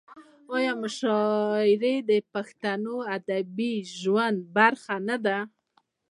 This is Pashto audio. آیا مشاعرې د پښتنو د ادبي ژوند برخه نه ده؟